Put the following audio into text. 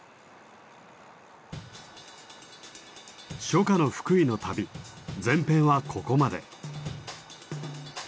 初夏の福井の旅前編はここまで。